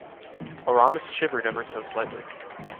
Aramis shivered ever so slightly.